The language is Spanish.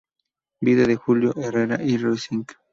Vida de Julio Herrera y Reissig.